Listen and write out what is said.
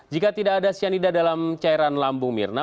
jika tidak ada cyanida dalam cairan lambung mirna